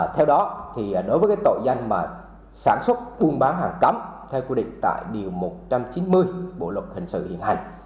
theo đó đối với tội danh sản xuất buôn bán hàng cấm theo quy định tại điều một trăm chín mươi bộ luật hình sự hiện hành